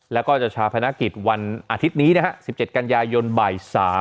แล้วก็จะชาพนักกิจวันอาทิตย์นี้นะฮะ๑๗กันยายนบ่าย๓